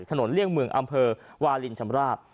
เลี่ยงเมืองอำเภอวาลินชำราบ